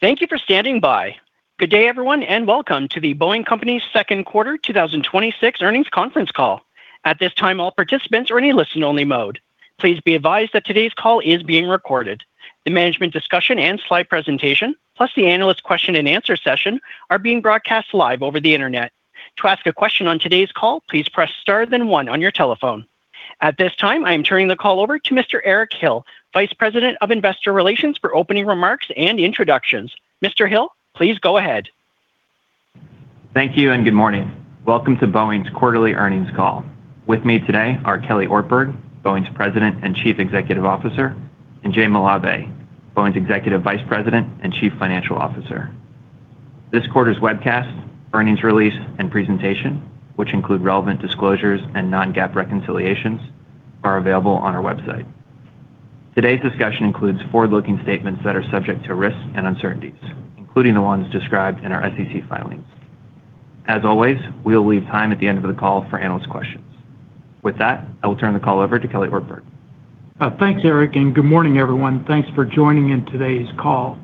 Thank you for standing by. Good day, everyone, and welcome to The Boeing Company's second quarter 2026 earnings conference call. At this time, all participants are in a listen-only mode. Please be advised that today's call is being recorded. The management discussion and slide presentation, plus the analyst question-and-answer session, are being broadcast live over the internet. To ask a question on today's call, please press star then one on your telephone. At this time, I'm turning the call over to Mr. Eric Hill, Vice President of Investor Relations, for opening remarks and introductions. Mr. Hill, please go ahead. Thank you, and good morning. Welcome to Boeing's quarterly earnings call. With me today are Kelly Ortberg, Boeing's President and Chief Executive Officer, and Jay Malave, Boeing's Executive Vice President and Chief Financial Officer. This quarter's webcast, earnings release, and presentation, which include relevant disclosures and non-GAAP reconciliations, are available on our website. Today's discussion includes forward-looking statements that are subject to risks and uncertainties, including the ones described in our SEC filings. As always, we'll leave time at the end of the call for analyst questions. With that, I will turn the call over to Kelly Ortberg. Thanks, Eric, and good morning, everyone. Thanks for joining in today's call.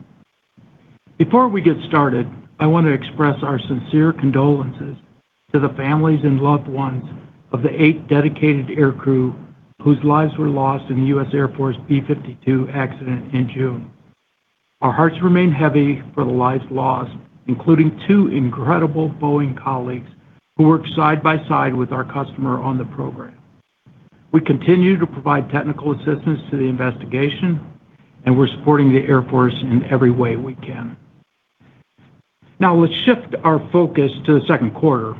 Before we get started, I want to express our sincere condolences to the families and loved ones of the eight dedicated aircrew whose lives were lost in the U.S. Air Force B-52 accident in June. Our hearts remain heavy for the lives lost, including two incredible Boeing colleagues who worked side by side with our customer on the program. We continue to provide technical assistance to the investigation, and we're supporting the Air Force in every way we can. Now let's shift our focus to the second quarter.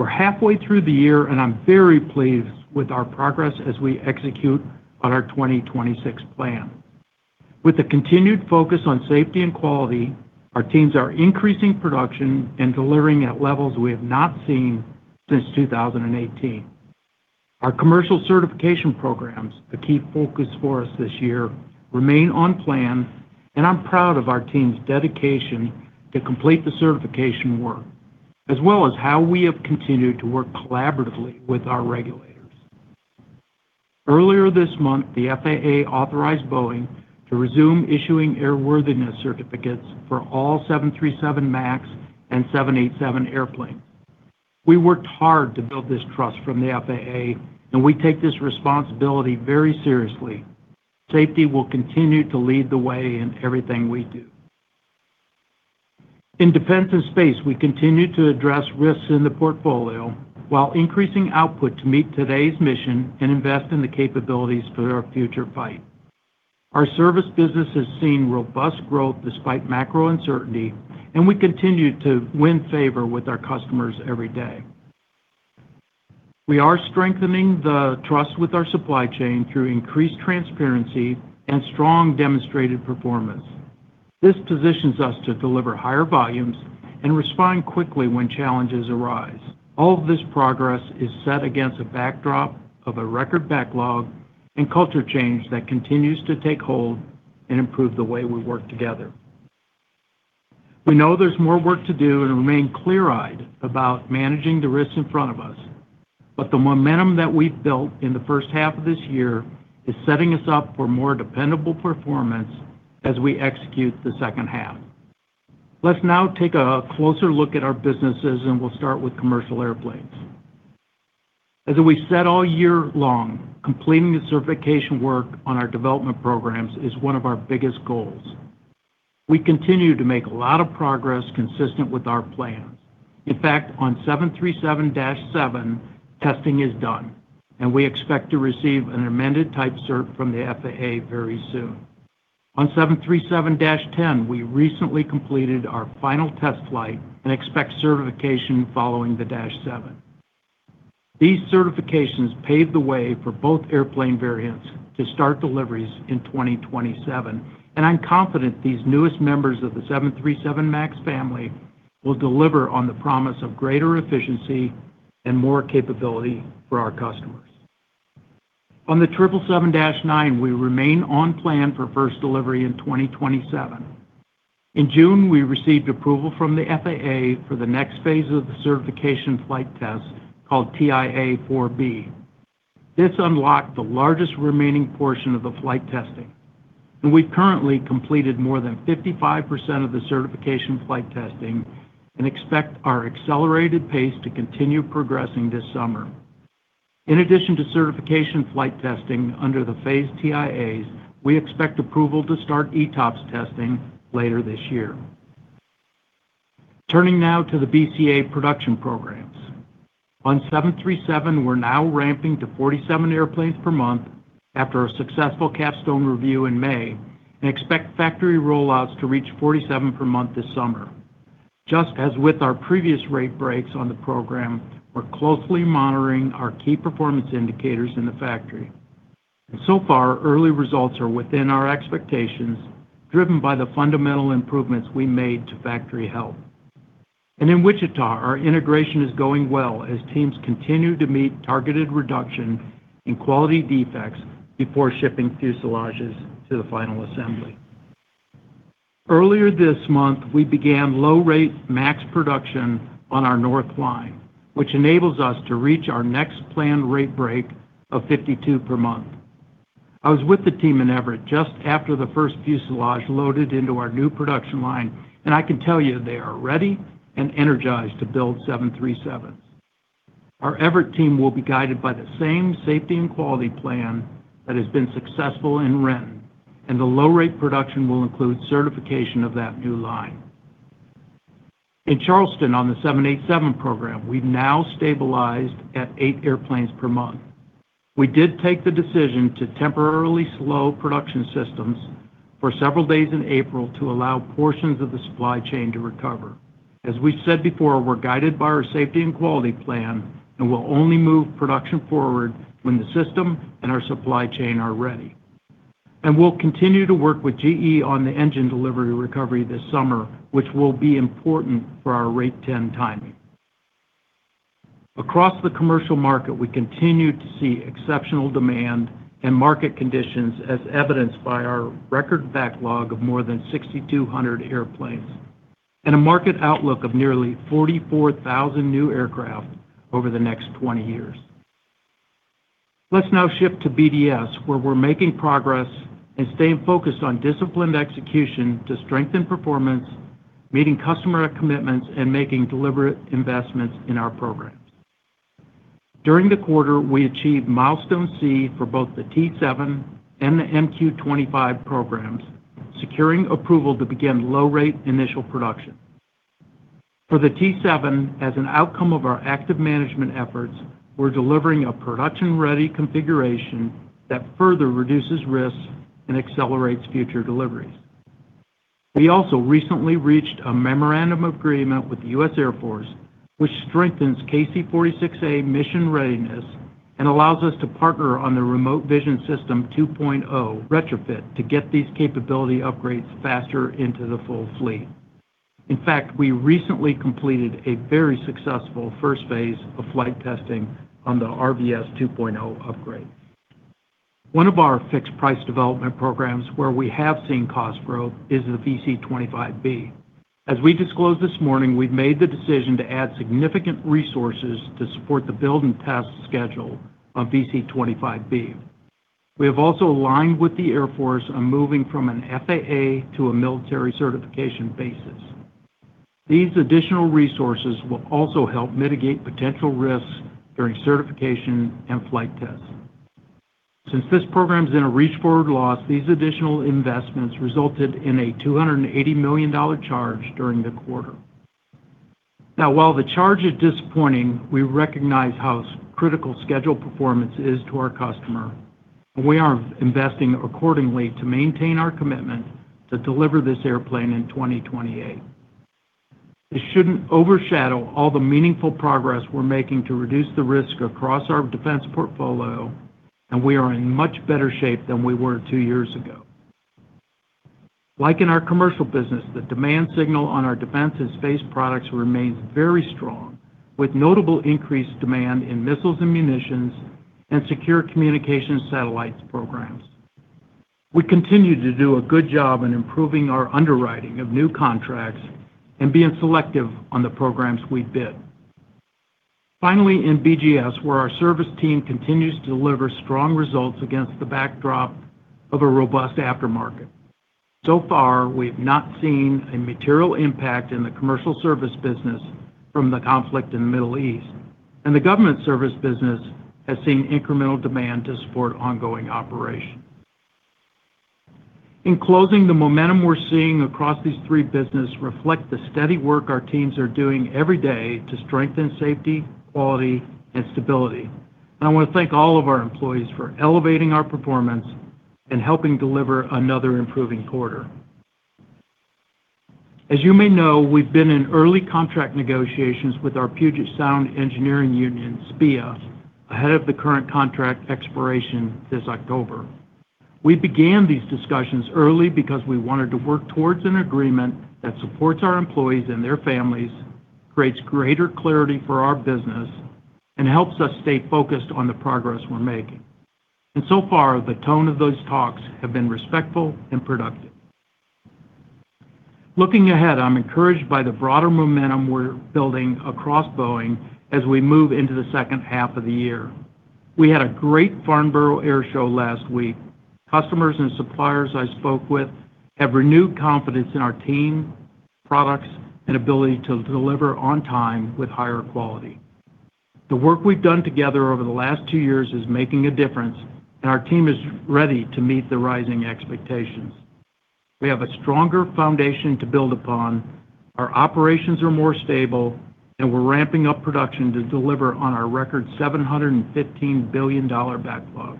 We're halfway through the year, and I'm very pleased with our progress as we execute on our 2026 plan. With the continued focus on safety and quality, our teams are increasing production and delivering at levels we have not seen since 2018. Our commercial certification programs, a key focus for us this year, remain on plan, and I'm proud of our team's dedication to complete the certification work, as well as how we have continued to work collaboratively with our regulators. Earlier this month, the FAA authorized Boeing to resume issuing airworthiness certificates for all 737 MAX and 787 airplanes. We worked hard to build this trust from the FAA, and we take this responsibility very seriously. Safety will continue to lead the way in everything we do. In defense and space, we continue to address risks in the portfolio while increasing output to meet today's mission and invest in the capabilities for our future fight. Our Service business has seen robust growth despite macro uncertainty, and we continue to win favor with our customers every day. We are strengthening the trust with our supply chain through increased transparency and strong demonstrated performance. This positions us to deliver higher volumes and respond quickly when challenges arise. All of this progress is set against a backdrop of a record backlog and culture change that continues to take hold and improve the way we work together. We know there's more work to do and remain clear-eyed about managing the risks in front of us. The momentum that we've built in the first half of this year is setting us up for more dependable performance as we execute the second half. Let's now take a closer look at our businesses, and we'll start with commercial airplanes. As we've said all year long, completing the certification work on our development programs is one of our biggest goals. We continue to make a lot of progress consistent with our plans. In fact, on 737-7, testing is done, and we expect to receive an amended type cert from the FAA very soon. On 737-10, we recently completed our final test flight and expect certification following the 737-7. These certifications pave the way for both airplane variants to start deliveries in 2027, and I'm confident these newest members of the 737 MAX family will deliver on the promise of greater efficiency and more capability for our customers. On the 777-9, we remain on plan for first delivery in 2027. In June, we received approval from the FAA for the next phase of the certification flight test called TIA 4B. This unlocked the largest remaining portion of the flight testing, and we've currently completed more than 55% of the certification flight testing and expect our accelerated pace to continue progressing this summer. In addition to certification flight testing under the phased TIAs, we expect approval to start ETOPS testing later this year. Turning now to the BCA production programs. On 737, we're now ramping to 47 airplanes per month after a successful capstone review in May and expect factory rollouts to reach 47 per month this summer. Just as with our previous rate breaks on the program, we're closely monitoring our key performance indicators in the factory, and so far, early results are within our expectations, driven by the fundamental improvements we made to factory health. In Wichita, our integration is going well as teams continue to meet targeted reduction in quality defects before shipping fuselages to the final assembly. Earlier this month, we began low-rate MAX production on our North Line, which enables us to reach our next planned rate break of 52 per month. I was with the team in Everett just after the first fuselage loaded into our new production line, and I can tell you they are ready and energized to build 737s. Our Everett team will be guided by the same safety and quality plan that has been successful in Renton, and the low-rate production will include certification of that new line. In Charleston, on the 787 program, we've now stabilized at eight airplanes per month. We did take the decision to temporarily slow production systems for several days in April to allow portions of the supply chain to recover. As we've said before, we're guided by our safety and quality plan and will only move production forward when the system and our supply chain are ready. We'll continue to work with GE on the engine delivery recovery this summer, which will be important for our rate 10 timing. Across the commercial market, we continue to see exceptional demand and market conditions as evidenced by our record backlog of more than 6,200 airplanes and a market outlook of nearly 44,000 new aircraft over the next 20 years. Let's now shift to BDS, where we're making progress and staying focused on disciplined execution to strengthen performance, meeting customer commitments, and making deliberate investments in our programs. During the quarter, we achieved Milestone C for both the T-7 and the MQ-25 programs, securing approval to begin low-rate initial production. For the T-7, as an outcome of our active management efforts, we're delivering a production-ready configuration that further reduces risks and accelerates future deliveries. We also recently reached a memorandum of agreement with the U.S. Air Force, which strengthens KC-46A mission readiness and allows us to partner on the Remote Vision System 2.0 retrofit to get these capability upgrades faster into the full fleet. In fact, we recently completed a very successful first phase of flight testing on the RVS 2.0 upgrade. One of our fixed-price development programs where we have seen cost growth is the VC-25B. As we disclosed this morning, we've made the decision to add significant resources to support the build and test schedule on VC-25B. We have also aligned with the Air Force on moving from an FAA to a military certification basis. These additional resources will also help mitigate potential risks during certification and flight tests. Since this program is in a reach-forward loss, these additional investments resulted in a $280 million charge during the quarter. Now, while the charge is disappointing, we recognize how critical schedule performance is to our customer, and we are investing accordingly to maintain our commitment to deliver this airplane in 2028. This shouldn't overshadow all the meaningful progress we're making to reduce the risk across our defense portfolio, and we are in much better shape than we were two years ago. Like in our commercial business, the demand signal on our Defense & Space products remains very strong, with notable increased demand in missiles and munitions and secure communications satellites programs. We continue to do a good job in improving our underwriting of new contracts and being selective on the programs we bid. Finally, in BGS, where our service team continues to deliver strong results against the backdrop of a robust aftermarket. So far, we have not seen a material impact in the Commercial Service business from the conflict in the Middle East, and the Government Service business has seen incremental demand to support ongoing operations. In closing, the momentum we're seeing across these three businesses reflect the steady work our teams are doing every day to strengthen safety, quality, and stability. I want to thank all of our employees for elevating our performance and helping deliver another improving quarter. As you may know, we've been in early contract negotiations with our Puget Sound Engineering Union, SPEEA, ahead of the current contract expiration this October. We began these discussions early because we wanted to work towards an agreement that supports our employees and their families, creates greater clarity for our business, and helps us stay focused on the progress we're making. So far, the tone of those talks have been respectful and productive. Looking ahead, I'm encouraged by the broader momentum we are building across Boeing as we move into the second half of the year. We had a great Farnborough Airshow last week. Customers and suppliers I spoke with have renewed confidence in our team, products, and ability to deliver on time with higher quality. The work we've done together over the last two years is making a difference, and our team is ready to meet the rising expectations. We have a stronger foundation to build upon. Our operations are more stable, and we're ramping up production to deliver on our record $715 billion backlog.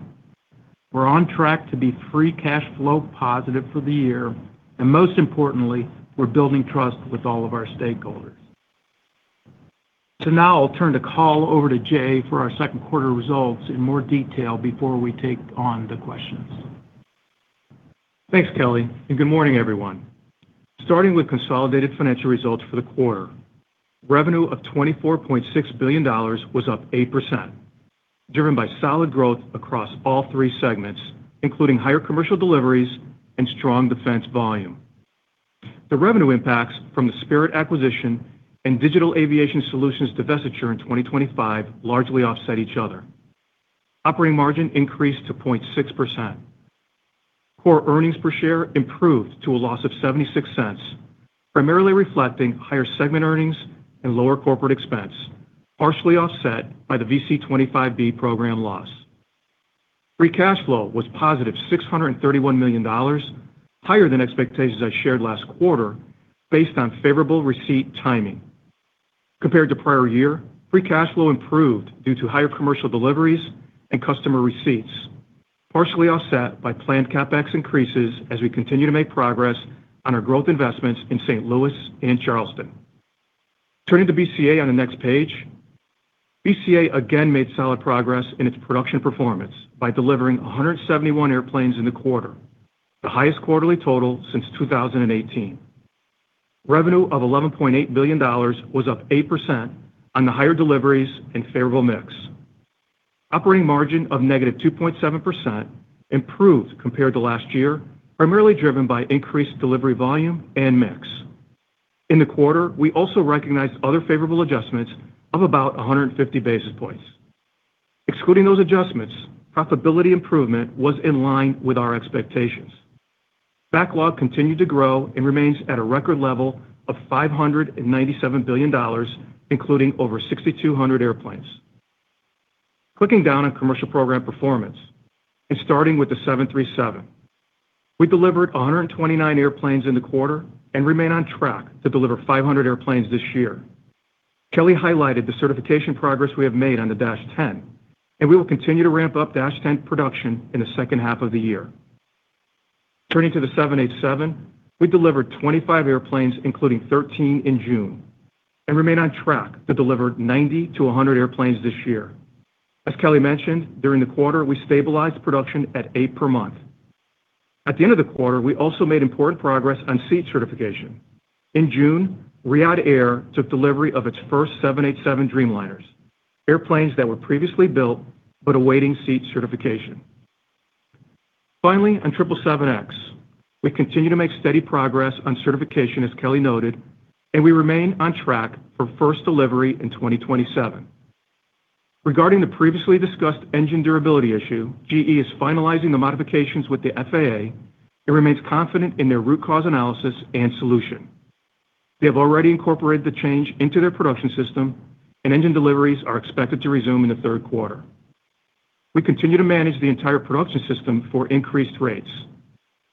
We're on track to be free cash flow positive for the year, and most importantly, we're building trust with all of our stakeholders. Now I will turn the call over to Jay for our second quarter results in more detail before we take on the questions. Thanks, Kelly, and good morning, everyone. Starting with consolidated financial results for the quarter. Revenue of $24.6 billion was up 8%, driven by solid growth across all three segments, including higher commercial deliveries and strong defense volume. The revenue impacts from the Spirit acquisition and Digital Aviation Solutions divestiture in 2025 largely offset each other. Operating margin increased to 0.6%. Core earnings per share improved to a loss of $0.76, primarily reflecting higher segment earnings and lower corporate expense, partially offset by the VC-25B program loss. Free cash flow was +$631 million, higher than expectations I shared last quarter based on favorable receipt timing. Compared to prior year, free cash flow improved due to higher commercial deliveries and customer receipts, partially offset by planned CapEx increases as we continue to make progress on our growth investments in St. Louis and Charleston. Turning to BCA on the next page. BCA again made solid progress in its production performance by delivering 171 airplanes in the quarter, the highest quarterly total since 2018. Revenue of $11.8 billion was up 8% on the higher deliveries and favorable mix. Operating margin of -2.7% improved compared to last year, primarily driven by increased delivery volume and mix. In the quarter, we also recognized other favorable adjustments of about 150 basis points. Excluding those adjustments, profitability improvement was in line with our expectations. Backlog continued to grow and remains at a record level of $597 billion, including over 6,200 airplanes. Clicking down on commercial program performance and starting with the 737. We delivered 129 airplanes in the quarter and remain on track to deliver 500 airplanes this year. Kelly highlighted the certification progress we have made on the 737-10. We will continue to ramp up 737-10 production in the second half of the year. Turning to the 787, we delivered 25 airplanes, including 13 in June. We remain on track to deliver 90-100 airplanes this year. As Kelly mentioned, during the quarter, we stabilized production at eight per month. At the end of the quarter, we also made important progress on seat certification. In June, Riyadh Air took delivery of its first 787 Dreamliners, airplanes that were previously built but awaiting seat certification. Finally, on 777X, we continue to make steady progress on certification, as Kelly noted. We remain on track for first delivery in 2027. Regarding the previously discussed engine durability issue, GE is finalizing the modifications with the FAA and remains confident in their root cause analysis and solution. They have already incorporated the change into their production system. Engine deliveries are expected to resume in the third quarter. We continue to manage the entire production system for increased rates.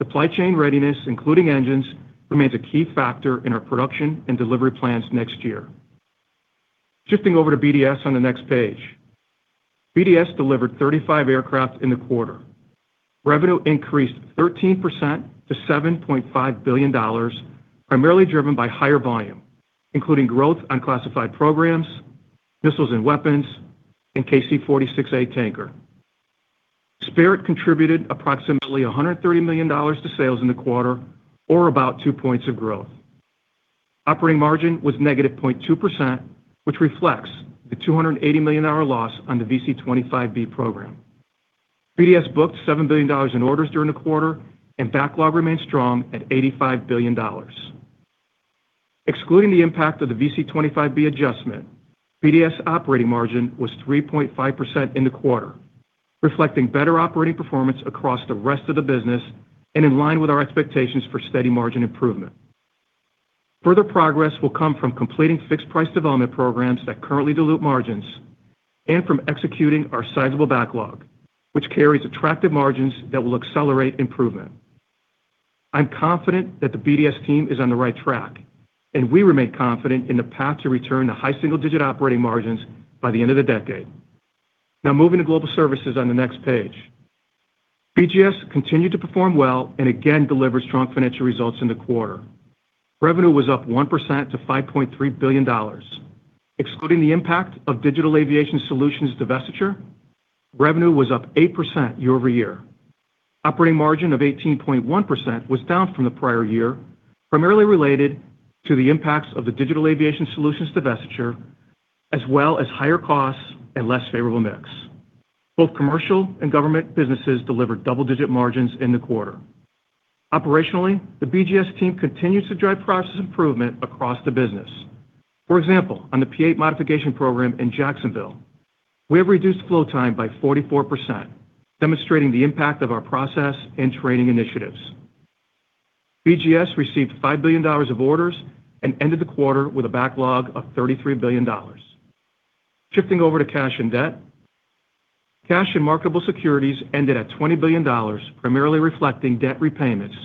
Supply chain readiness, including engines, remains a key factor in our production and delivery plans next year. Shifting over to BDS on the next page. BDS delivered 35 aircraft in the quarter. Revenue increased 13% to $7.5 billion, primarily driven by higher volume, including growth on classified programs, missiles and weapons, and KC-46A tanker. Spirit contributed approximately $130 million to sales in the quarter or about 2 points of growth. Operating margin was -2.2%, which reflects the $280 million loss on the VC-25B program. BDS booked $7 billion in orders during the quarter. Backlog remains strong at $85 billion. Excluding the impact of the VC-25B adjustment, BDS operating margin was 3.5% in the quarter, reflecting better operating performance across the rest of the business. In line with our expectations for steady margin improvement. Further progress will come from completing fixed-price development programs that currently dilute margins. From executing our sizable backlog, which carries attractive margins that will accelerate improvement. I'm confident that the BDS team is on the right track. We remain confident in the path to return to high single-digit operating margins by the end of the decade. Now, moving to Global Services on the next page. BGS continued to perform well. Again delivered strong financial results in the quarter. Revenue was up 1% to $5.3 billion. Excluding the impact of Digital Aviation Solutions divestiture, revenue was up 8% year-over-year. Operating margin of 18.1% was down from the prior year, primarily related to the impacts of the Digital Aviation Solutions divestiture, as well as higher costs and less favorable mix. Both commercial and government businesses delivered double-digit margins in the quarter. Operationally, the BGS team continues to drive process improvement across the business. For example, on the P-8 modification program in Jacksonville, we have reduced flow time by 44%, demonstrating the impact of our process and training initiatives. BGS received $5 billion of orders. Ended the quarter with a backlog of $33 billion. Shifting over to cash and debt. Cash and marketable securities ended at $20 billion, primarily reflecting debt repayments,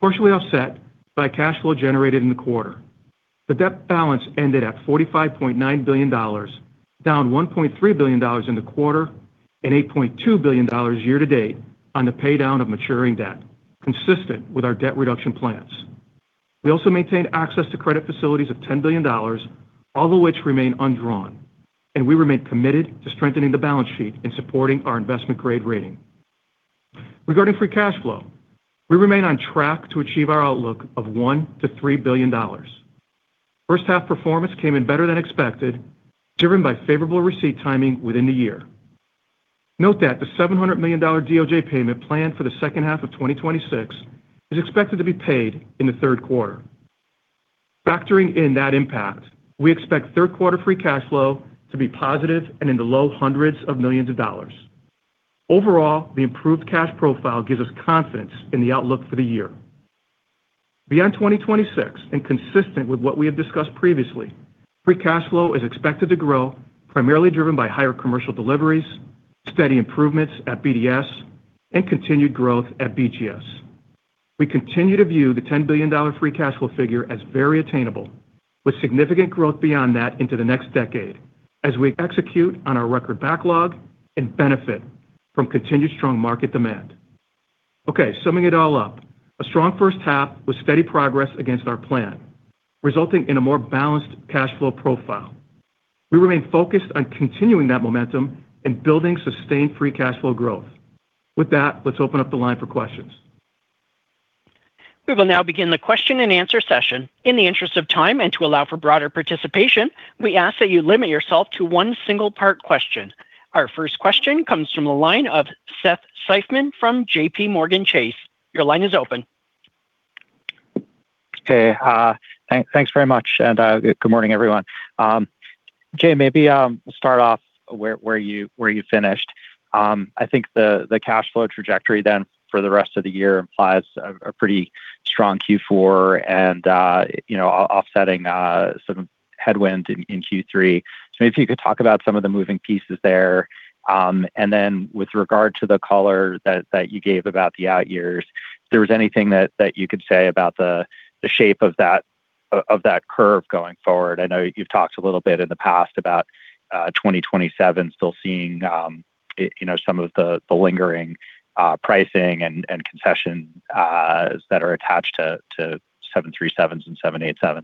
partially offset by cash flow generated in the quarter. The debt balance ended at $45.9 billion, down $1.3 billion in the quarter and $8.2 billion year-to-date on the paydown of maturing debt, consistent with our debt reduction plans. We also maintained access to credit facilities of $10 billion, all of which remain undrawn, and we remain committed to strengthening the balance sheet and supporting our investment-grade rating. Regarding free cash flow, we remain on track to achieve our outlook of $1 billion-$3 billion. First-half performance came in better than expected, driven by favorable receipt timing within the year. Note that the $700 million DOJ payment planned for the second half of 2026 is expected to be paid in the third quarter. Factoring in that impact, we expect third quarter free cash flow to be positive and in the low hundreds of millions of dollars. Overall, the improved cash profile gives us confidence in the outlook for the year. Beyond 2026, and consistent with what we have discussed previously, free cash flow is expected to grow, primarily driven by higher commercial deliveries, steady improvements at BDS, and continued growth at BGS. We continue to view the $10 billion free cash flow figure as very attainable, with significant growth beyond that into the next decade, as we execute on our record backlog and benefit from continued strong market demand. Okay, summing it all up, a strong first half with steady progress against our plan, resulting in a more balanced cash flow profile. We remain focused on continuing that momentum and building sustained free cash flow growth. With that, let's open up the line for questions. We will now begin the question-and-answer session. In the interest of time and to allow for broader participation, we ask that you limit yourself to one single part question. Our first question comes from the line of Seth Seifman from JPMorgan Chase. Your line is open. Okay. Thanks very much, and good morning, everyone. Jay, maybe we'll start off where you finished. I think the cash flow trajectory then for the rest of the year implies a pretty strong Q4 and offsetting some headwinds in Q3. Maybe if you could talk about some of the moving pieces there. With regard to the color that you gave about the out years, if there was anything that you could say about the shape of that curve going forward? I know you've talked a little bit in the past about 2027 still seeing some of the lingering pricing and concessions that are attached to 737s and 787s.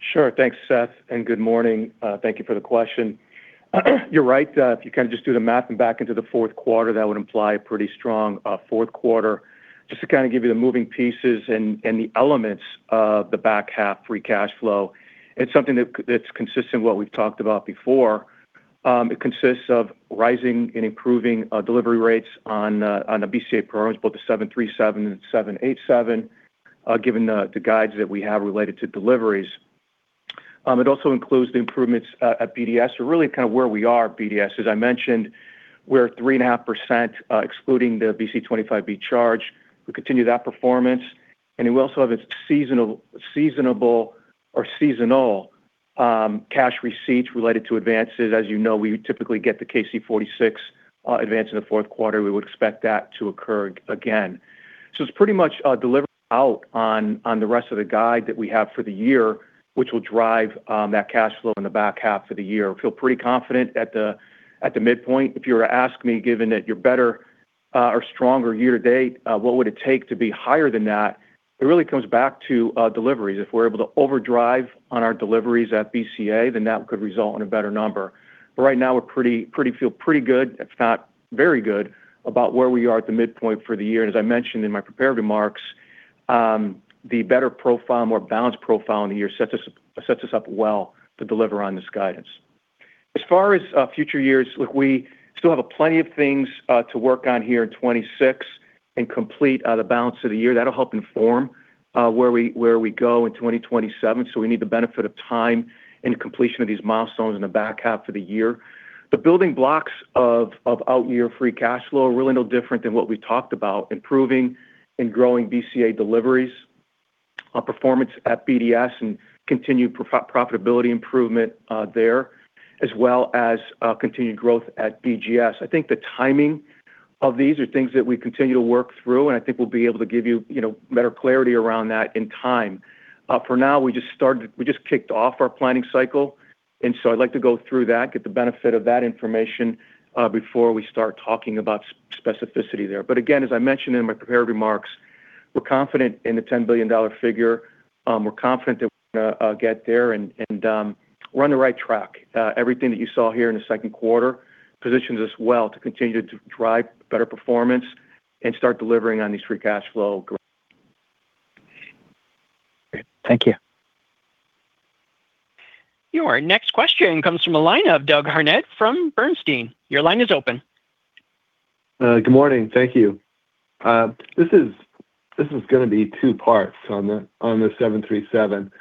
Sure. Thanks, Seth, and good morning. Thank you for the question. You're right. If you kind of just do the math and back into the fourth quarter, that would imply a pretty strong fourth quarter. Just to kind of give you the moving pieces and the elements of the back half free cash flow, it's something that's consistent with what we've talked about before. It consists of rising and improving delivery rates on the BCA programs, both the 737 and 787, given the guides that we have related to deliveries. It also includes the improvements at BDS. Really kind of where we are at BDS, as I mentioned, we're at 3.5% excluding the VC-25B charge. We continue that performance, and we also have seasonal cash receipts related to advances. As you know, we typically get the KC-46 advance in the fourth quarter. We would expect that to occur again. It's pretty much delivered out on the rest of the guide that we have for the year, which will drive that cash flow in the back half of the year. We feel pretty confident at the midpoint. If you were to ask me, given that you're better or stronger year-to-date, what would it take to be higher than that? It really comes back to deliveries. If we're able to overdrive on our deliveries at BCA, then that could result in a better number. Right now, we feel pretty good, if not very good, about where we are at the midpoint for the year. As I mentioned in my prepared remarks, the better profile, more balanced profile in the year sets us up well to deliver on this guidance. As far as future years, look, we still have plenty of things to work on here in 2026 and complete the balance of the year. That'll help inform where we go in 2027. We need the benefit of time and completion of these milestones in the back half of the year. The building blocks of out year free cash flow are really no different than what we talked about, improving and growing BCA deliveries, performance at BDS, and continued profitability improvement there, as well as continued growth at BGS. I think the timing of these are things that we continue to work through, and we'll be able to give you better clarity around that in time. For now, we just kicked off our planning cycle, and so I'd like to go through that, get the benefit of that information before we start talking about specificity there. Again, as I mentioned in my prepared remarks, we're confident in the $10 billion figure. We're confident that we're going to get there, and we're on the right track. Everything that you saw here in the second quarter positions us well to continue to drive better performance and start delivering on these free cash flow growth. Great. Thank you. Your next question comes from a line of Doug Harned from Bernstein. Your line is open. Good morning. Thank you. This is going to be two parts on the 737.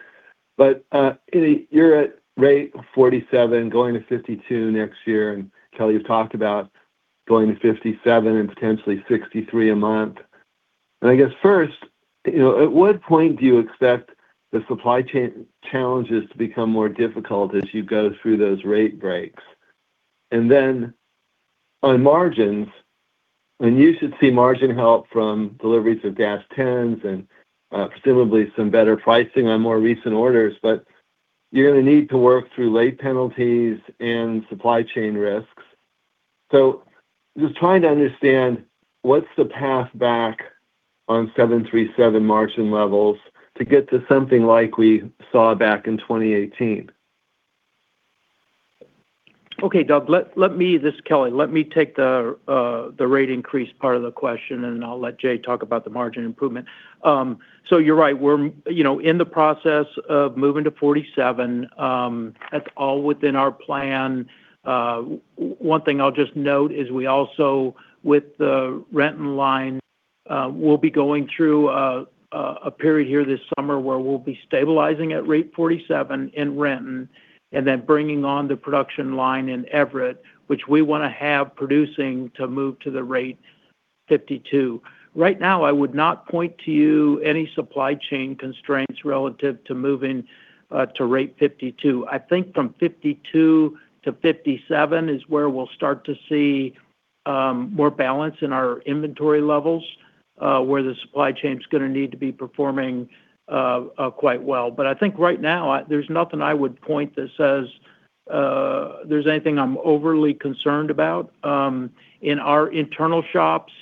You're at rate 47 going to 52 next year, and Kelly, you've talked about going to 57 and potentially 63 a month. I guess first, at what point do you expect the supply chain challenges to become more difficult as you go through those rate breaks? On margins, and you should see margin help from deliveries of 737-10s and presumably some better pricing on more recent orders, but you're going to need to work through late penalties and supply chain risks. Just trying to understand what's the path back on 737 margin levels to get to something like we saw back in 2018? Okay, Doug, this is Kelly. Let me take the rate increase part of the question, and I'll let Jay talk about the margin improvement. You're right. We're in the process of moving to 47. That's all within our plan. One thing I'll just note is we also, with the Renton Line, we'll be going through a period here this summer where we'll be stabilizing at rate 47 in Renton, and then bringing on the production line in Everett, which we want to have producing to move to the rate 52. Right now, I would not point to you any supply chain constraints relative to moving to rate 52. I think from 52 to 57 is where we'll start to see more balance in our inventory levels, where the supply chain is going to need to be performing quite well. I think right now, there's nothing I would point that says there's anything I'm overly concerned about. In our internal shops,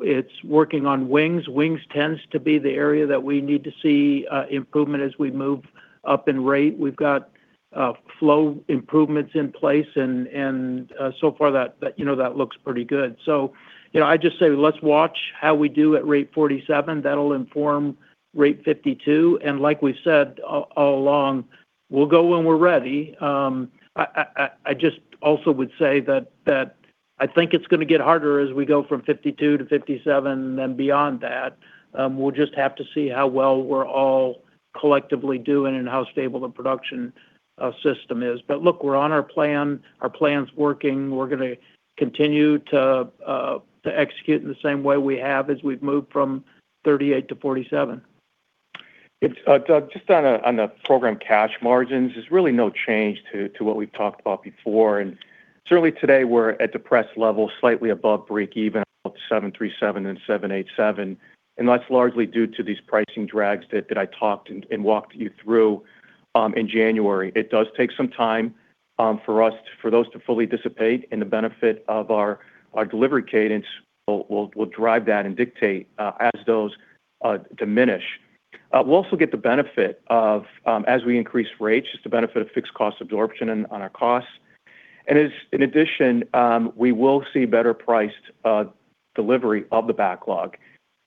it's working on wings. Wings tends to be the area that we need to see improvement as we move up in rate. We've got flow improvements in place, and so far that looks pretty good. I just say let's watch how we do at rate 47. That'll inform rate 52. Like we've said all along, we'll go when we're ready. I just also would say that I think it's going to get harder as we go from 52 to 57, and then beyond that. We'll just have to see how well we're all collectively doing and how stable the production system is. Look, we're on our plan. Our plan's working. We're going to continue to execute in the same way we have as we've moved from 38 to 47. Doug, just on the program cash margins, there's really no change to what we've talked about before. Certainly today we're at depressed levels, slightly above breakeven on both 737 and 787, and that's largely due to these pricing drags that I talked and walked you through in January. It does take some time for those to fully dissipate and the benefit of our delivery cadence will drive that and dictate as those diminish. We'll also get the benefit of, as we increase rates, just the benefit of fixed cost absorption on our costs. In addition, we will see better-priced delivery of the backlog.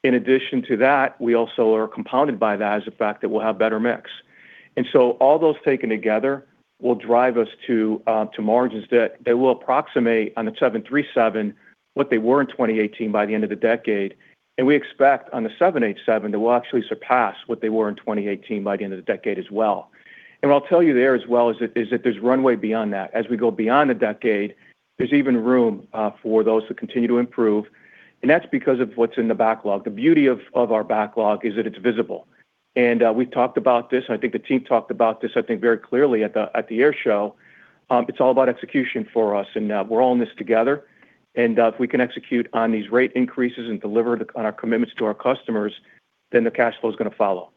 In addition to that, we also are compounded by that is the fact that we'll have better mix. All those taken together will drive us to margins that will approximate on the 737 what they were in 2018 by the end of the decade. We expect on the 787 that we'll actually surpass what they were in 2018 by the end of the decade as well. What I'll tell you there as well is that there's runway beyond that. As we go beyond the decade, there's even room for those to continue to improve. That's because of what's in the backlog. The beauty of our backlog is that it's visible. We've talked about this, and I think the team talked about this, I think very clearly at the Air Show. It's all about execution for us, and we're all in this together. If we can execute on these rate increases and deliver on our commitments to our customers, then the cash flow is going to follow.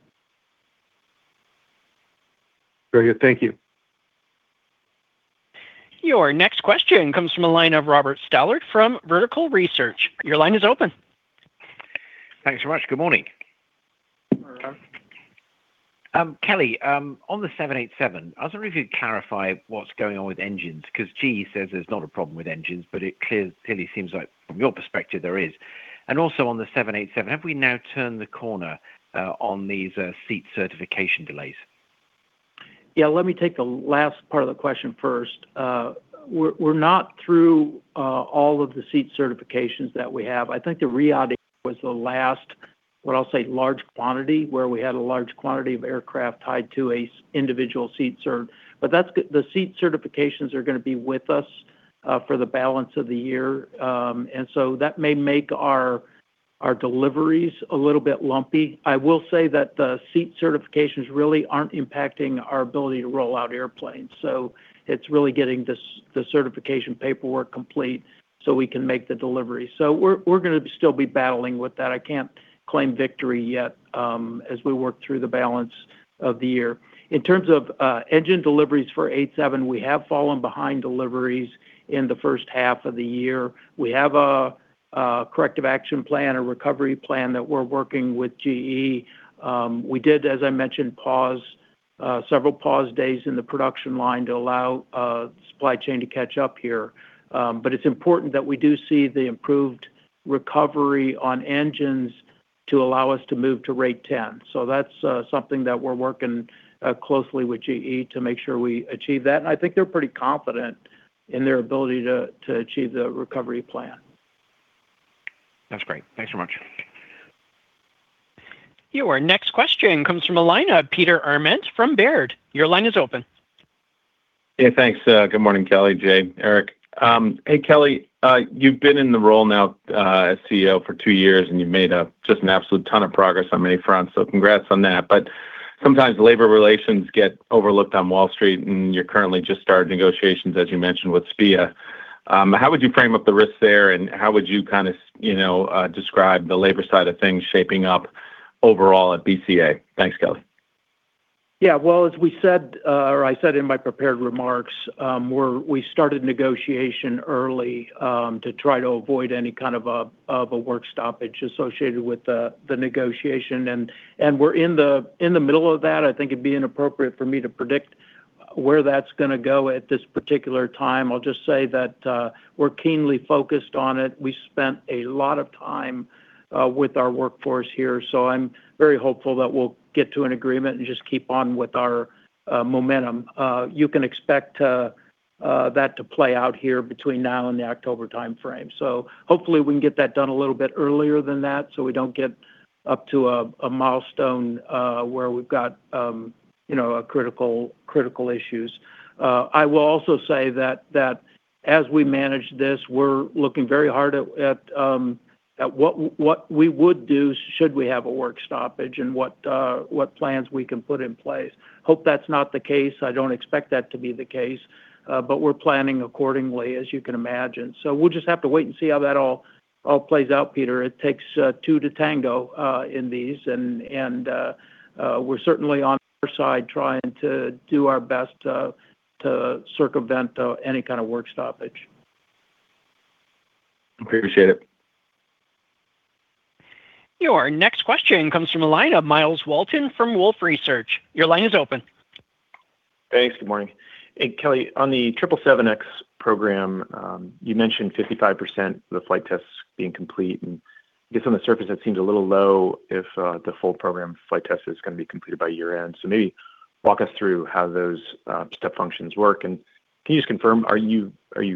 Very good. Thank you. Your next question comes from the line of Robert Stallard from Vertical Research. Your line is open. Thanks so much. Good morning. Good morning. Kelly, on the 787, I was wondering if you could clarify what's going on with engines because GE says there's not a problem with engines, but it clearly seems like from your perspective there is. Also on the 787, have we now turned the corner on these seat certification delays? Let me take the last part of the question first. We're not through all of the seat certifications that we have. I think the Riyadh was the last, what I'll say large quantity, where we had a large quantity of aircraft tied to an individual seat cert. The seat certifications are going to be with us for the balance of the year. That may make our deliveries a little bit lumpy. I will say that the seat certifications really aren't impacting our ability to roll out airplanes, so it's really getting the certification paperwork complete so we can make the delivery. We're going to still be battling with that. I can't claim victory yet as we work through the balance of the year. In terms of engine deliveries for 87, we have fallen behind deliveries in the first half of the year. We have a corrective action plan, a recovery plan that we're working with GE. We did, as I mentioned, several pause days in the production line to allow supply chain to catch up here. It's important that we do see the improved recovery on engines to allow us to move to rate 10. That's something that we're working closely with GE to make sure we achieve that, and I think they're pretty confident in their ability to achieve the recovery plan. That's great. Thanks so much. Your next question comes from a line of Peter Arment from Baird. Your line is open. Thanks. Good morning, Kelly, Jay, Eric. Hey, Kelly, you've been in the role now as CEO for two years, and you've made just an absolute ton of progress on many fronts, so congrats on that. Sometimes labor relations get overlooked on Wall Street, and you're currently just starting negotiations, as you mentioned, with SPEEA. How would you frame up the risks there, and how would you kind of describe the labor side of things shaping up overall at BCA? Thanks, Kelly. Well, as I said in my prepared remarks, we started negotiation early to try to avoid any kind of a work stoppage associated with the negotiation, and we're in the middle of that. I think it'd be inappropriate for me to predict where that's going to go at this particular time. I'll just say that we're keenly focused on it. We spent a lot of time with our workforce here, so I'm very hopeful that we'll get to an agreement and just keep on with our momentum. You can expect that to play out here between now and the October timeframe. Hopefully we can get that done a little bit earlier than that so we don't get up to a milestone where we've got critical issues. I will also say that as we manage this, we're looking very hard at what we would do should we have a work stoppage, and what plans we can put in place. Hope that's not the case, I don't expect that to be the case, but we're planning accordingly as you can imagine. We'll just have to wait and see how that all plays out, Peter. It takes two to tango in these, and we're certainly on our side trying to do our best to circumvent any kind of work stoppage. Appreciate it. Your next question comes from the line of Myles Walton from Wolfe Research. Your line is open. Thanks. Good morning. Hey, Kelly, on the 777X program, you mentioned 55% of the flight tests being complete, and I guess on the surface that seems a little low if the full program flight test is going to be completed by year-end. Maybe walk us through how those step functions work and can you just confirm, are you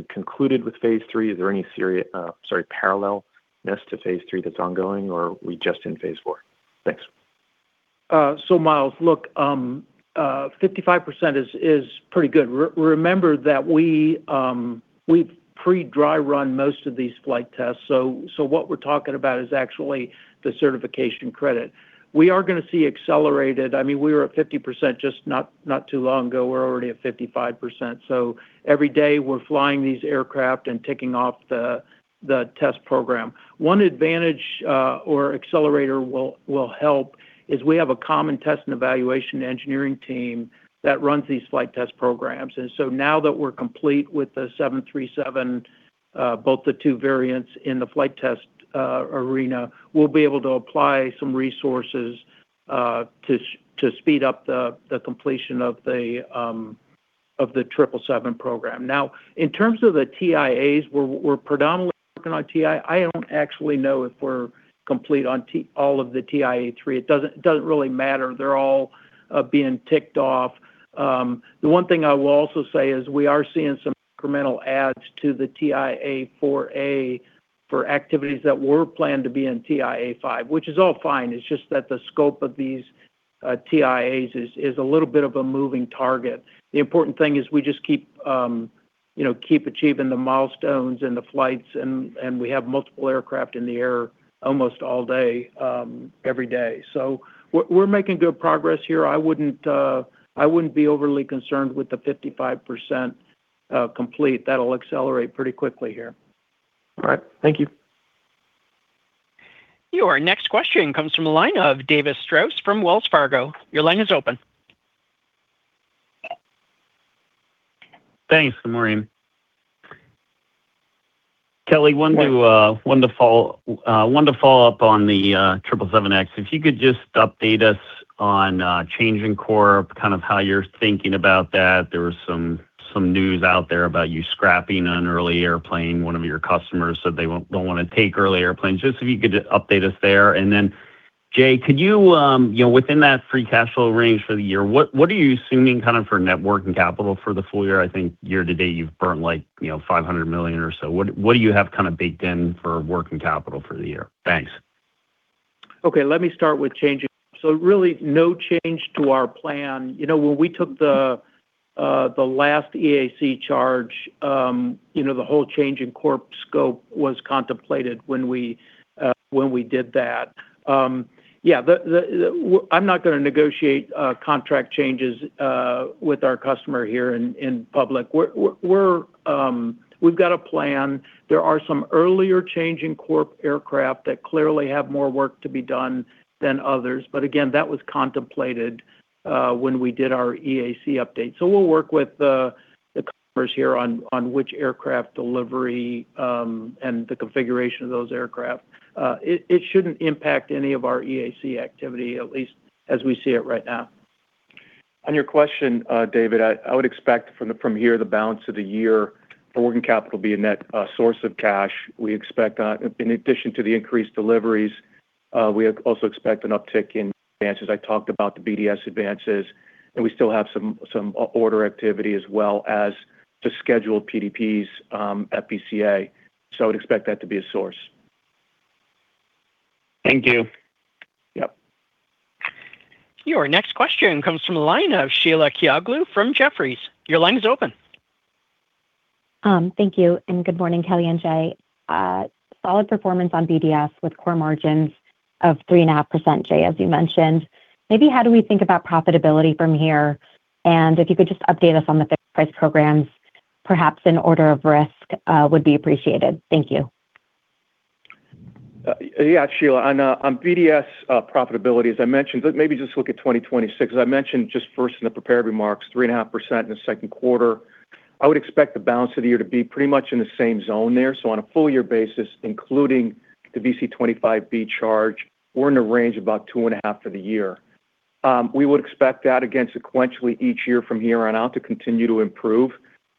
concluded with phase III? Is there any parallelness to phase III that's ongoing, or are we just in phase IV? Thanks. Myles, look, 55% is pretty good. Remember that we've pre-dry run most of these flight tests, so what we're talking about is actually the certification credit. We were at 50% just not too long ago. We're already at 55%. Every day we're flying these aircraft and ticking off the test program. One advantage or accelerator will help is we have a common test and evaluation engineering team that runs these flight test programs. Now that we're complete with the 737, both the two variants in the flight test arena, we'll be able to apply some resources to speed up the completion of the 777 program. Now, in terms of the TIAs, we're predominantly working on TIA. I don't actually know if we're complete on all of the TIA 3. It doesn't really matter. They're all being ticked off. The one thing I will also say is we are seeing some incremental adds to the TIA 4A for activities that were planned to be in TIA 5, which is all fine. It's just that the scope of these TIAs is a little bit of a moving target. The important thing is we just keep achieving the milestones and the flights, and we have multiple aircraft in the air almost all day, every day. We're making good progress here. I wouldn't be overly concerned with the 55% complete. That'll accelerate pretty quickly here. All right. Thank you. Your next question comes from the line of David Strauss from Wells Fargo. Your line is open. Thanks. Good morning. Kelly, wanted to follow up on the 777X. If you could just update us on change incorp, how you're thinking about that. There was some news out there about you scrapping an early airplane. One of your customers said they don't want to take early airplanes. Just if you could just update us there. Jay, within that free cash flow range for the year, what are you assuming for net working capital for the full year? I think year-to-date you've burnt like $500 million or so. What do you have baked in for working capital for the year? Thanks. Okay. Let me start with change incorp. Really no change to our plan. When we took the last EAC charge, the whole change incorp scope was contemplated when we did that. Yeah. I'm not going to negotiate contract changes with our customer here in public. We've got a plan. There are some earlier change incorp aircraft that clearly have more work to be done than others. Again, that was contemplated when we did our EAC update. We'll work with the customers here on which aircraft delivery, and the configuration of those aircraft. It shouldn't impact any of our EAC activity, at least as we see it right now. On your question, David, I would expect from here the balance of the year for working capital be a net source of cash. In addition to the increased deliveries, we also expect an uptick in advances. I talked about the BDS advances, and we still have some order activity as well as the scheduled PDPs at BCA. I would expect that to be a source. Thank you. Yep. Your next question comes from the line of Sheila Kahyaoglu from Jefferies. Your line is open. Thank you, and good morning, Kelly and Jay. Solid performance on BDS with core margins of 3.5%, Jay, as you mentioned. Maybe how do we think about profitability from here? If you could just update us on the fixed price programs, perhaps in order of risk would be appreciated. Thank you. Yeah, Sheila. On BDS profitability, as I mentioned, maybe just look at 2026. As I mentioned just first in the prepared remarks, 3.5% in the second quarter. I would expect the balance of the year to be pretty much in the same zone there. On a full year basis, including the VC-25B charge, we're in a range of about 2.5% for the year. We would expect that again sequentially each year from here on out to continue to improve.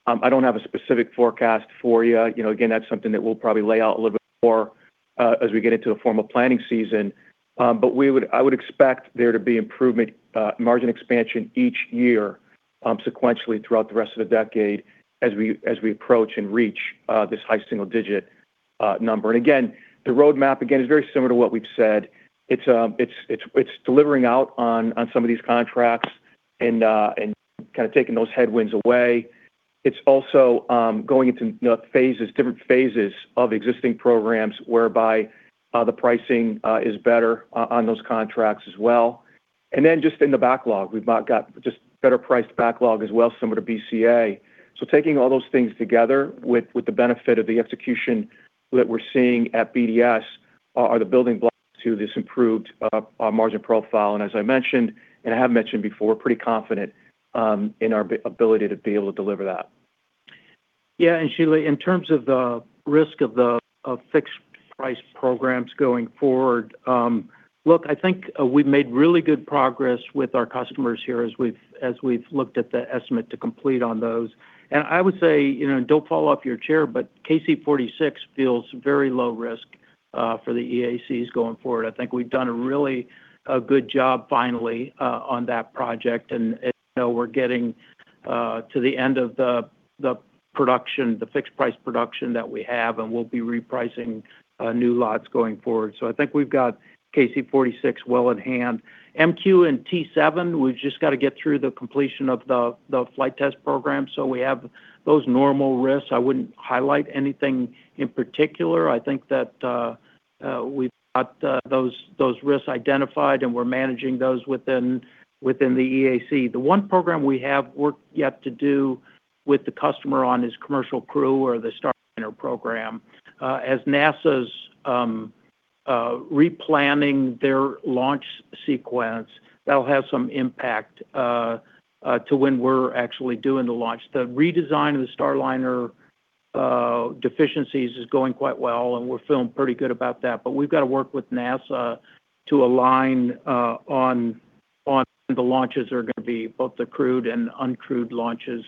I don't have a specific forecast for you. Again, that's something that we'll probably lay out a little bit more as we get into a formal planning season. I would expect there to be improvement margin expansion each year, sequentially throughout the rest of the decade as we approach and reach this high single-digit number. Again, the roadmap is very similar to what we've said. It's delivering out on some of these contracts and kind of taking those headwinds away. It's also going into different phases of existing programs, whereby the pricing is better on those contracts as well. Just in the backlog, we've now got just better priced backlog as well, similar to BCA. Taking all those things together with the benefit of the execution that we're seeing at BDS, are the building blocks to this improved margin profile. As I mentioned, and I have mentioned before, pretty confident in our ability to be able to deliver that. Yeah. Sheila, in terms of the risk of fixed price programs going forward, I think we've made really good progress with our customers here as we've looked at the estimate to complete on those. I would say, don't fall off your chair, but KC-46 feels very low risk for the EACs going forward. I think we've done a really good job finally on that project. As you know, we're getting to the end of the fixed-price production that we have, and we'll be repricing new lots going forward. I think we've got KC-46 well in hand. MQ and T-7, we've just got to get through the completion of the flight test program. We have those normal risks. I wouldn't highlight anything in particular. I think that we've got those risks identified and we're managing those within the EAC. The one program we have work yet to do with the customer on is Commercial Crew or the Starliner program. As NASA's replanning their launch sequence, that'll have some impact to when we're actually doing the launch. The redesign of the Starliner deficiencies is going quite well, and we're feeling pretty good about that. We've got to work with NASA to align on when the launches are going to be, both the crewed and uncrewed launches,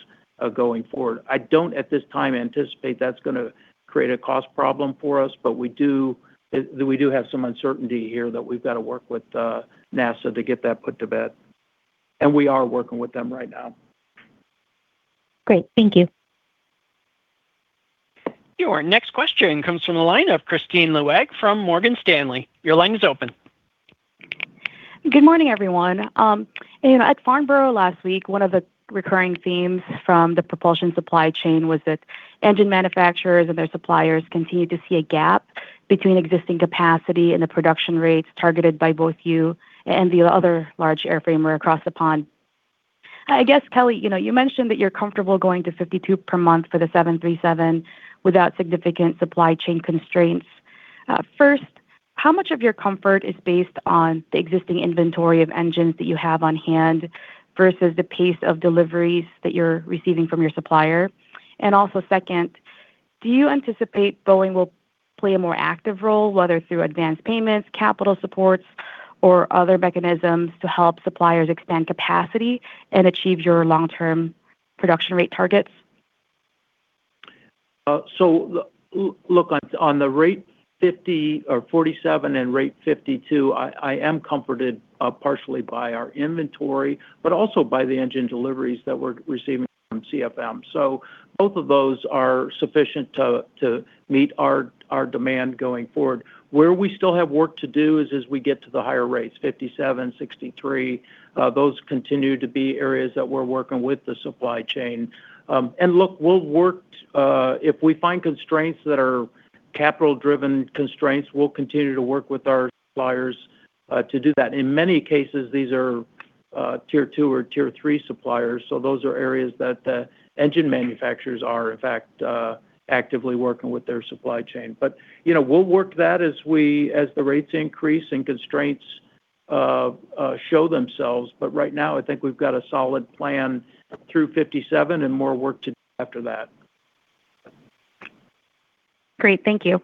going forward. I don't, at this time, anticipate that's going to create a cost problem for us, but we do have some uncertainty here that we've got to work with NASA to get that put to bed. We are working with them right now. Great. Thank you. Your next question comes from the line of Kristine Liwag from Morgan Stanley. Your line is open. Good morning, everyone. At Farnborough last week, one of the recurring themes from the propulsion supply chain was that engine manufacturers and their suppliers continue to see a gap between existing capacity and the production rates targeted by both you and the other large airframer across the pond. I guess, Kelly, you mentioned that you're comfortable going to 52 per month for the 737 without significant supply chain constraints. First, how much of your comfort is based on the existing inventory of engines that you have on hand versus the pace of deliveries that you're receiving from your supplier? Also, second, do you anticipate Boeing will play a more active role, whether through advanced payments, capital supports, or other mechanisms to help suppliers expand capacity and achieve your long-term production rate targets? Look, on the rate 50 or 47 and rate 52, I am comforted partially by our inventory, but also by the engine deliveries that we're receiving from CFM. Both of those are sufficient to meet our demand going forward. Where we still have work to do is as we get to the higher rates, 57, 63, those continue to be areas that we're working with the supply chain. Look, if we find constraints that are capital-driven constraints, we'll continue to work with our suppliers to do that. In many cases, these are tier two or tier three suppliers, so those are areas that the engine manufacturers are in fact actively working with their supply chain. We'll work that as the rates increase and constraints show themselves. Right now, I think we've got a solid plan through 57 and more work to do after that. Great. Thank you.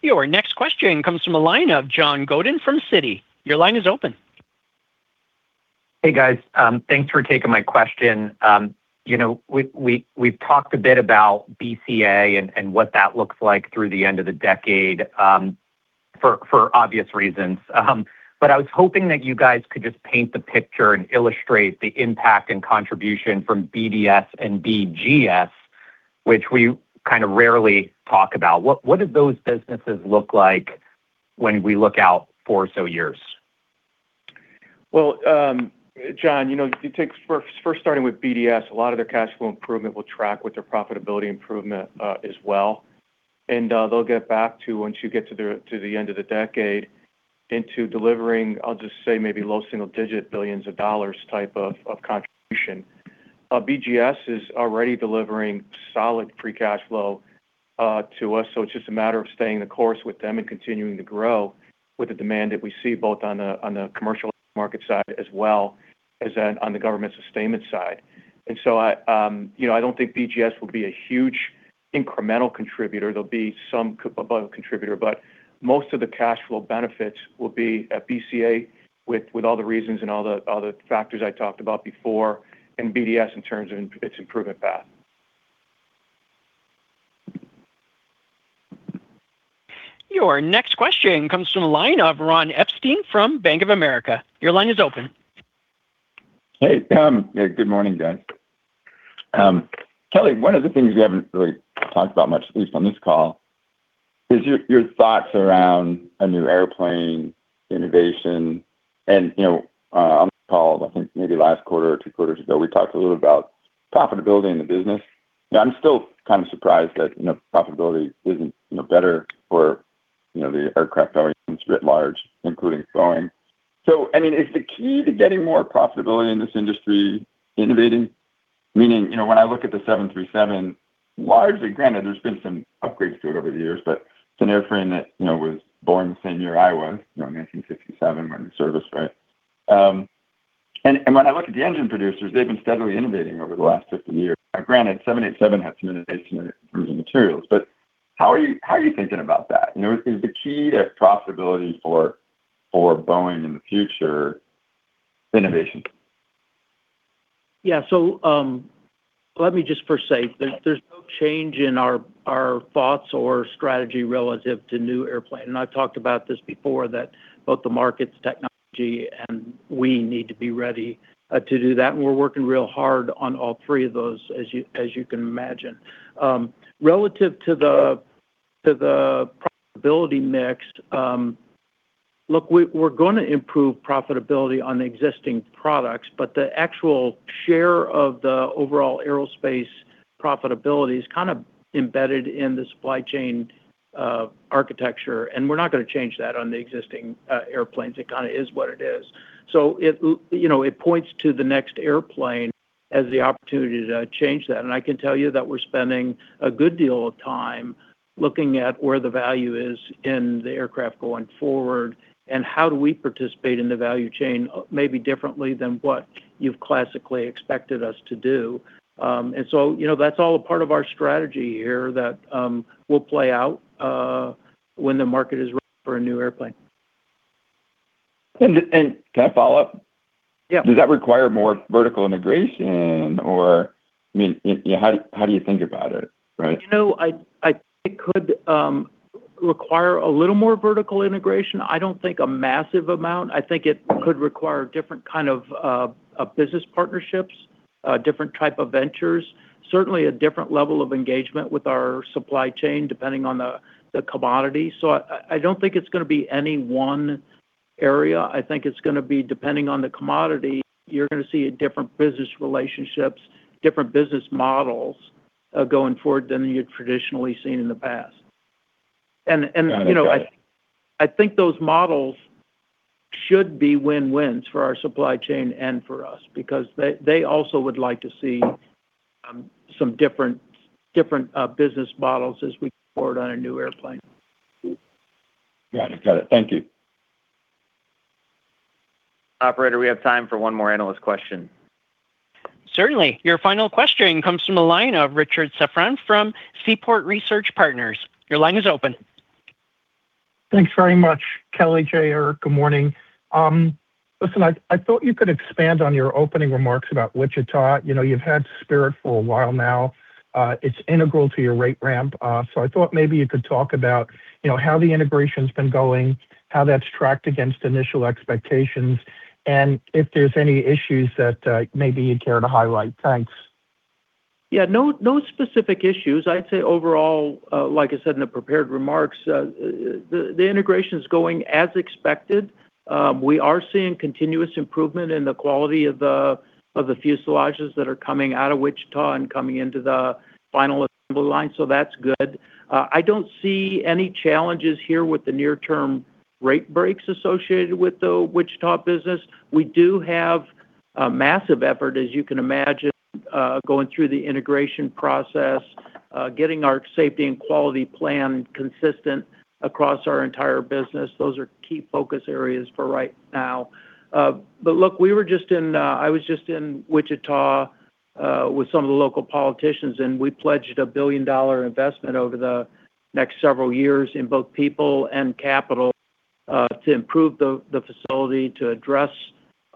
Your next question comes from the line of John Godyn from Citi. Your line is open. Hey, guys. Thanks for taking my question. We've talked a bit about BCA and what that looks like through the end of the decade, for obvious reasons. I was hoping that you guys could just paint the picture and illustrate the impact and contribution from BDS and BGS, which we kind of rarely talk about. What do those businesses look like when we look out four or so years? Well, John, first starting with BDS, a lot of their cash flow improvement will track with their profitability improvement as well. They'll get back to, once you get to the end of the decade, into delivering, I'll just say maybe low single-digit billions of dollars type of contribution. BGS is already delivering solid free cash flow to us, so it's just a matter of staying the course with them and continuing to grow with the demand that we see, both on the commercial market side as well as on the government sustainment side. I don't think BGS will be a huge incremental contributor. There'll be some contributor, but most of the cash flow benefits will be at BCA with all the reasons and all the other factors I talked about before, and BDS in terms of its improvement path. Your next question comes from the line of Ron Epstein from Bank of America. Your line is open. Hey, good morning, guys. Kelly, one of the things you haven't really talked about much, at least on this call, is your thoughts around a new airplane innovation. On the call, I think maybe last quarter or two quarters ago, we talked a little about profitability in the business. I'm still kind of surprised that profitability isn't better for the aircraft industry at large, including Boeing. Is the key to getting more profitability in this industry innovating? Meaning, when I look at the 737, largely, granted, there's been some upgrades to it over the years, but it's an airframe that was born the same year I was, in 1967, went into service, right? When I look at the engine producers, they've been steadily innovating over the last 50 years. Granted, 787 had some innovation in terms of materials, but how are you thinking about that? Is the key to profitability for Boeing in the future innovation? Yeah. Let me just first say, there's no change in our thoughts or strategy relative to new airplane. I've talked about this before, that both the markets, technology, and we need to be ready to do that, and we're working real hard on all three of those, as you can imagine. Relative to the profitability mix, look, we're going to improve profitability on the existing products, but the actual share of the overall aerospace profitability is kind of embedded in the supply chain architecture, and we're not going to change that on the existing airplanes. It kind of is what it is. It points to the next airplane as the opportunity to change that, and I can tell you that we're spending a good deal of time looking at where the value is in the aircraft going forward, and how do we participate in the value chain, maybe differently than what you've classically expected us to do. That's all a part of our strategy here that will play out when the market is ready for a new airplane. Can I follow up? Yeah. Does that require more vertical integration? How do you think about it? It could require a little more vertical integration. I don't think a massive amount. I think it could require different kind of business partnerships, different type of ventures. Certainly a different level of engagement with our supply chain, depending on the commodity. I don't think it's going to be any one area. I think it's going to be depending on the commodity, you're going to see different business relationships, different business models going forward than you've traditionally seen in the past. Got it. Okay. I think those models should be win-wins for our supply chain and for us, because they also would like to see some different business models as we move forward on a new airplane. Got it. Thank you. Operator, we have time for one more analyst question. Certainly. Your final question comes from the line of Richard Safran from Seaport Research Partners. Your line is open. Thanks very much, Kelly, Jay, Eric. Good morning. Listen, I thought you could expand on your opening remarks about Wichita. You've had Spirit for a while now. It's integral to your rate ramp. I thought maybe you could talk about how the integration's been going, how that's tracked against initial expectations, and if there's any issues that maybe you'd care to highlight. Thanks. No specific issues. I'd say overall, like I said in the prepared remarks, the integration's going as expected. We are seeing continuous improvement in the quality of the fuselages that are coming out of Wichita and coming into the final assembly line, so that's good. I don't see any challenges here with the near-term rate breaks associated with the Wichita business. We do have a massive effort, as you can imagine, going through the integration process, getting our safety and quality plan consistent across our entire business. Those are key focus areas for right now. Look, I was just in Wichita with some of the local politicians, and we pledged a $1 billion investment over the next several years in both people and capital to improve the facility to address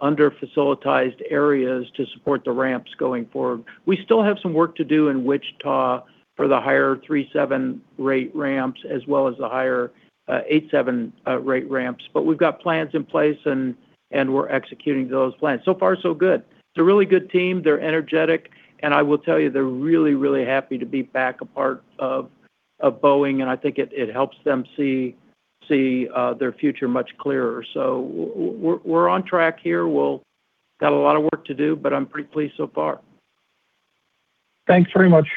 under-facilitized areas to support the ramps going forward. We still have some work to do in Wichita for the higher 737 rate ramps, as well as the higher 787 rate ramps. We've got plans in place, and we're executing those plans. So far, so good. It's a really good team. They're energetic, and I will tell you they're really, really happy to be back a part of Boeing, and I think it helps them see their future much clearer. We're on track here. We've got a lot of work to do, but I'm pretty pleased so far. Thanks very much.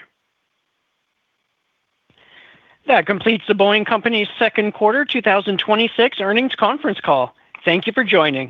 That completes The Boeing Company's second quarter 2026 earnings conference call. Thank you for joining.